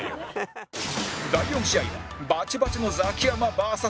第４試合はバチバチのザキヤマ ＶＳ 竹山